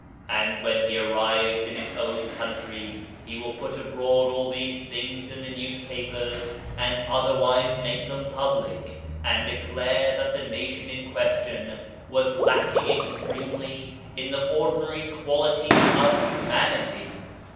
And when he arrives in his own coun try he will put abroad all these things in the news papers and otherwise make them public, and de clare that the nation in question was lacking ex tremely in the ordinary qualities of humanity.